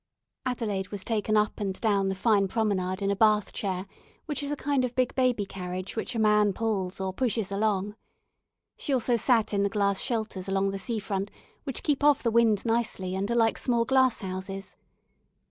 Adelaide was taken up and down the fine promenade in a bath chair, which is a kind of big baby carriage which a man pulls, or pushes along. She also sat in the glass "shelters" along the sea front, which keep off the wind nicely, and are like small glass houses.